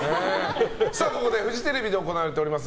ここでフジテレビで行われています